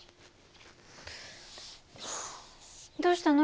どうしたの？